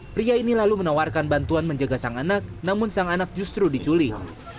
pria ini lalu menawarkan bantuan menjaga sang anak namun sang anak justru diculik